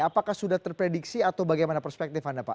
apakah sudah terprediksi atau bagaimana perspektif anda pak